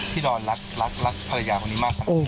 ดอนรักรักภรรยาคนนี้มากครับ